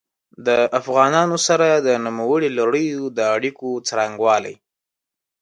د افغانانو سره د نوموړي لړیو د اړیکو څرنګوالي.